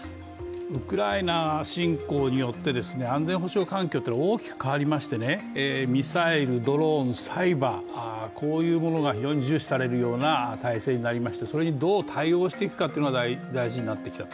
ウクライナ侵攻によって安全保障環境は大きく変わりまして、ミサイル、ドローン、サイバー、こういうものが非常に重視されるような態勢となりましてそれにどう対応していくかというのが大事になってきた。